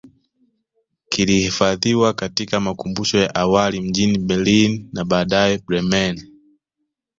Kilihifadhiwa katika makumbusho ya awali mjini Berlin na baadae Bremen